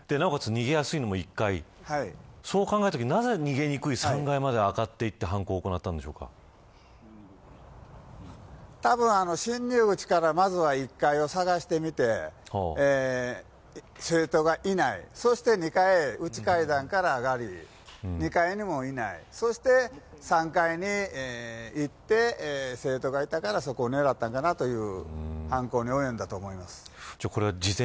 逃げやすいのも１階そう考えたときなぜ逃げにくい３階まで上がってたぶん、侵入口からまずは、１階を探してみて生徒がいない、そして２階へ内階段から上がり２階にもいないそして、３階に行って生徒がいたからそこを狙って犯行に及んだと思います。